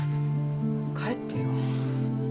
帰ってよ。